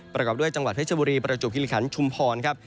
ประกอบด้วยจังหวัดเพชรบุรีประจวบคิริคันชุมพรครับ